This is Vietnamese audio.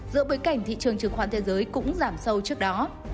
dựa bởi cảnh thị trường trường khoán thế giới cũng giảm sâu trước đó